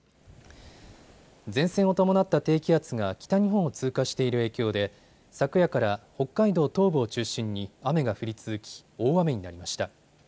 前線を伴った低気圧が北日本を通過している影響で昨夜から北海道東部を中心に雨が降り続き、大雨になりました。